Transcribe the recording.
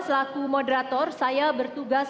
selaku moderator saya bertugas